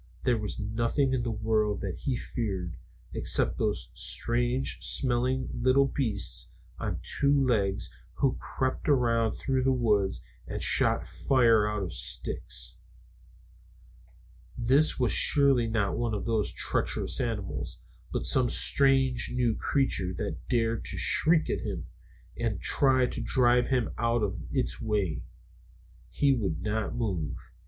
There was nothing in the world that he feared, except those strange smelling little beasts on two legs who crept around through the woods and shot fire out of sticks. This was surely not one of those treacherous animals, but some strange new creature that dared to shriek at him and try to drive him out of its way. He would not move.